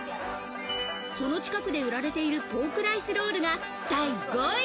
その近くで売られているポークライスロールが第５位。